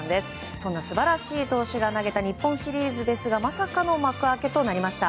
そんな素晴らしい投手が投げた日本シリーズですがまさかの幕開けとなりました。